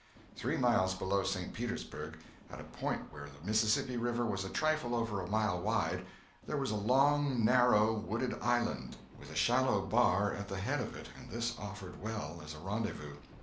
Three miles below St. Petersburg, at a point where the Mississippi River was a trifle over a mile wide, there was a long, narrow, wooded island, with a shallow bar at the head of it, and this offered well as a rendezvous.